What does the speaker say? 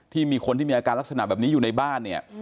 มีคนที่มีอาการลักษณะแบบนี้อยู่ในบ้านเนี่ย